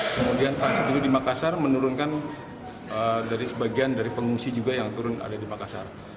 kemudian transit dulu di makassar menurunkan dari sebagian dari pengungsi juga yang turun ada di makassar